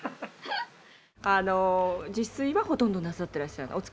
あの自炊はほとんどなさってらっしゃらない？